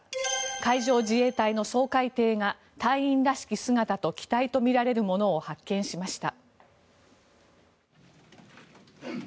海上自衛隊の掃海艇が隊員らしき姿と機体とみられるものを発見しました。